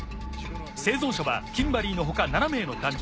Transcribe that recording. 生存者はキンバリーの他７名の男女。